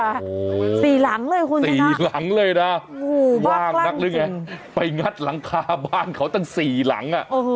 โอ้โฮสี่หลังเลยคุณท่านนะว่างนักหรือไงไปงัดหลังคาบ้านเขาตั้ง๔หลัง